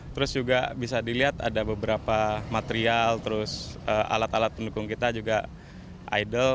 terus juga bisa dilihat ada beberapa material terus alat alat pendukung kita juga idol